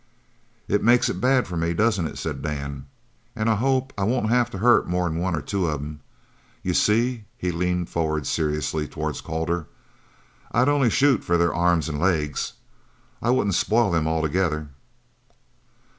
"It makes it bad for me, doesn't it?" said Dan. "An' I hope I won't have to hurt more'n one or two of 'em. You see," he leaned forward seriously towards Calder "I'd only shoot for their arms or their legs. I wouldn't spoil them altogether."